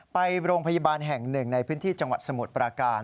ไปโรงพยาบาลแห่งหนึ่งในพื้นที่จังหวัดสมุทรปราการ